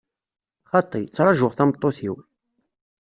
Xaṭi, ttrajuɣ tameṭṭut-iw.